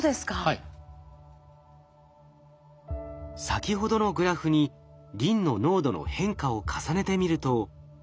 先ほどのグラフにリンの濃度の変化を重ねてみると。